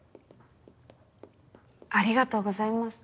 ありがとうございます